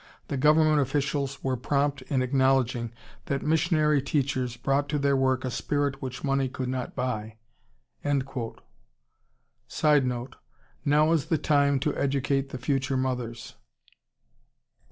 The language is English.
The government officials were prompt in acknowledging that missionary teachers brought to their work a spirit which money could not buy." [Sidenote: Now is the time to educate the future mothers.